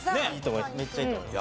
めっちゃいいと思います。